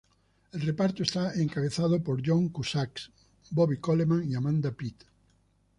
El reparto está encabezado por John Cusack, Bobby Coleman y Amanda Peet.